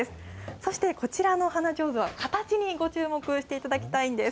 そして、こちらの花ちょうずは形にご注目していただきたいんです。